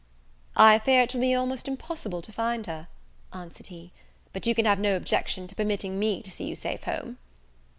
"I fear it will be almost impossible to find her," answered he; "but you can have no objection to permitting me to see you safe home."